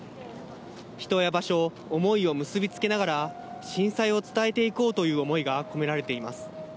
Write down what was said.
人や場所、思いを結びつけながら震災を伝えて行こうという思いが込められています。